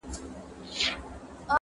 خو يادونه پاته وي،